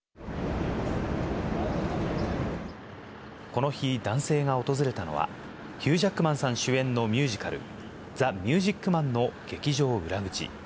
この日、男性が訪れたのは、ヒュー・ジャックマンさん主演のミュージカル、ザ・ミュージック・マンの劇場裏口。